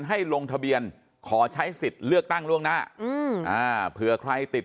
ให้ลงทะเบียนขอใช้สิทธิ์เลือกตั้งล่วงหน้าอืมอ่าเผื่อใครติด